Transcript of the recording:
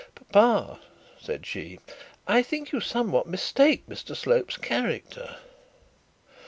'Papa,' said she, 'I think you somewhat mistake Mr Slope's character.'